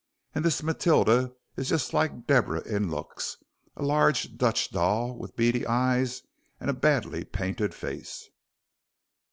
And this Matilda is just like Deborah in looks a large Dutch doll with beady eyes and a badly painted face."